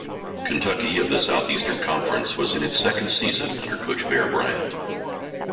Kentucky of the Southeastern Conference was in its second season under coach Bear Bryant.